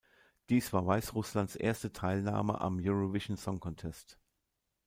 Dies war Weißrusslands erste Teilnahme am Eurovision Song Contest.